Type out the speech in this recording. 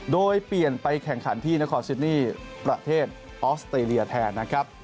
โดยเปลี่ยนไปแข่งขันที่นครซิดนี่ประเทศออสเตรเลียแทนนะครับ